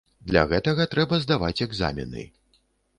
Для гэтага трэба здаваць экзамены.